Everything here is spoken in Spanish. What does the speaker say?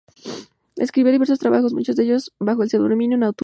Escribió diversos trabajos, muchos de ellos bajo el seudónimo "Natura".